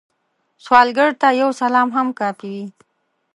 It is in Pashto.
سوالګر ته یو سلام هم کافی وي